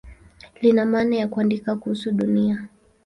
Lina maana ya "kuandika kuhusu Dunia".